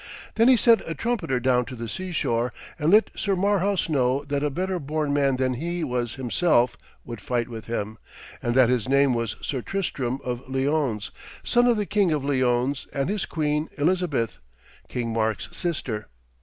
Then he sent a trumpeter down to the seashore, and let Sir Marhaus know that a better born man than he was himself would fight with him, and that his name was Sir Tristram of Lyones, son of the King of Lyones and his queen Elizabeth, King Mark's sister.